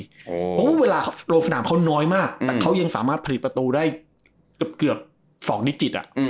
เพราะว่าเวลาเขาลงสนามเขาน้อยมากแต่เขายังสามารถผลิตประตูได้เกือบ๒นิจิต